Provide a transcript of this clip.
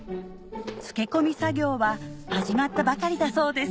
漬け込み作業は始まったばかりだそうです